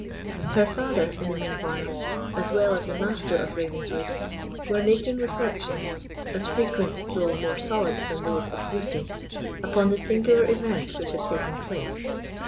Her father, in the mean while, as well as the Master of Ravenswood, were making reflections, as frequent though more solid than those of Lucy, upon the singular event which had taken place.